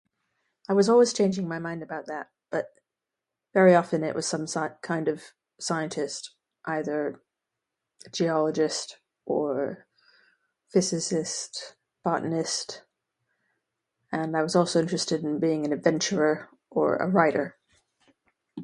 I was always changing my mind about that, but very often it was some sci- kind of scientist. Either geologist, or physicist, botanist, and I was also interested in being an adventurer, or a writer.